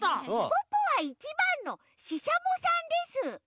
ポッポは１ばんのししゃもさんです。